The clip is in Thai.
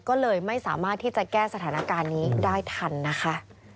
ก็เลยไม่สามารถที่จะแก้สถานการณ์นี้ได้ทันนะคะ